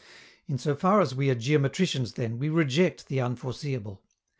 In so far as we are geometricians, then, we reject the unforeseeable.